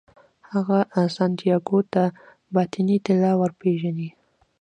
هغه سانتیاګو ته باطني طلا ورپېژني.